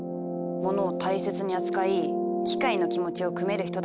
物を大切に扱い機械の気持ちを酌める人たちです。